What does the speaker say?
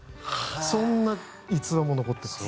そんな逸話も残ってます。